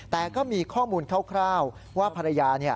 แต่ก็มีข้อมูลคร่าวว่าภรรยา